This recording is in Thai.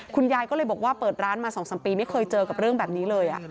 คุณยายก็เลยบอกว่าเปิดร้านมา๒๓ปีไม่เคยเจอกับเรื่องแบบนี้เลย